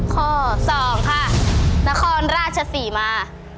ข้อ๒ค่ะนครราชศรีมา